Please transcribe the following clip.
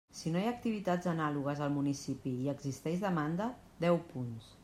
Si no hi ha activitats anàlogues al municipi i existeix demanda: deu punts.